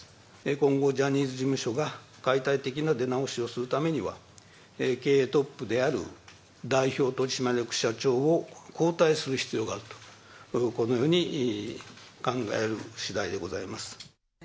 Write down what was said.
今後、ジャニーズ事務所が解体的な出直しをするためには、経営トップである代表取締役社長を交代する必要があると、このように考える次第でございます。